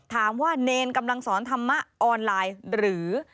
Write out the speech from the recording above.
เนรกำลังสอนธรรมะออนไลน์หรือ